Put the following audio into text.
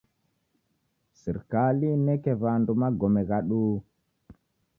Sirikali ineke w'andu magome gha duu.